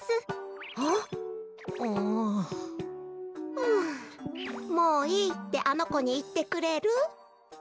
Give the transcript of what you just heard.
ふうもういいってあのこにいってくれる？